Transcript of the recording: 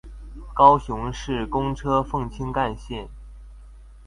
高雄市公車鳳青幹線